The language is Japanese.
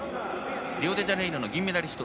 リオデジャネイロの銀メダリスト。